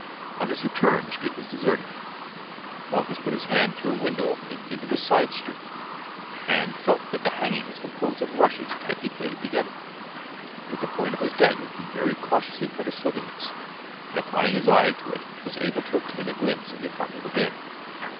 On his return the street was deserted. Malchus put his hand through a window opening into the side street and felt that the hanging was composed of rushes tightly plaited together. With the point of his dagger he very cautiously cut a slit in this, and applying his eye to it was able to obtain a glimpse of the apartment within.